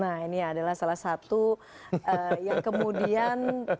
nah ini adalah salah satu yang kemudian terjadi pada saat ini